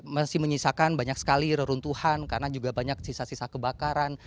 masih menyisakan banyak sekali reruntuhan karena juga banyak sisa sisa kebakaran